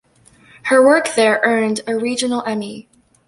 Her work there earned a regional Emmy.